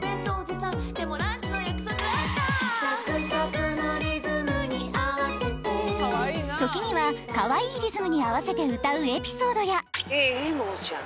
サクサクのリズムに合わせて時にはかわいいリズムに合わせて歌うエピソードやいい？